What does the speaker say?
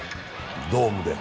ドームで。